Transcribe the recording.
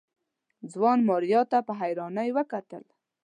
ځوان ماريا ته په حيرانۍ وکتل.